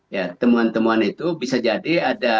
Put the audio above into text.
ya temuan temuan itu bisa jadi ada